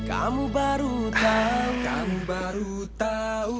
kamu baru tahu kamu baru tahu